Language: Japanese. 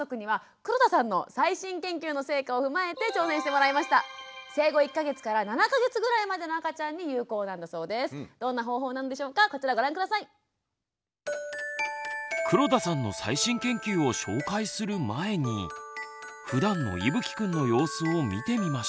黒田さんの最新研究を紹介する前にふだんのいぶきくんの様子を見てみましょう！